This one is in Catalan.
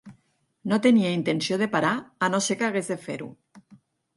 No tenia intenció de parar a no ser que hagués de fer-ho.